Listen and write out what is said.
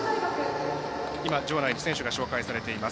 場内の選手が紹介されています。